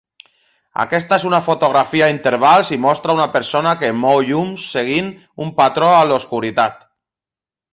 Aquesta és una fotografia a intervals i mostra una persona que mou llums seguint un patró a l'obscuritat